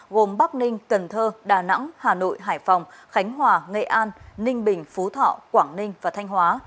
gồm bắc ninh cần thơ đà nẵng hà nội hải phòng khánh hòa nghệ an ninh bình phú thọ quảng ninh và thanh hóa